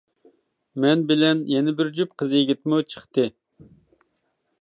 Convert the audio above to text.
مەن بىلەن يەنە بىر جۈپ قىز-يىگىتمۇ چىقتى.